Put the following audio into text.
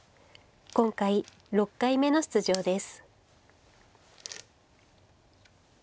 今回６回目の出場です。